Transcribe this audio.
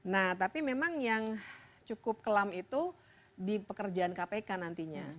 nah tapi memang yang cukup kelam itu di pekerjaan kpk nantinya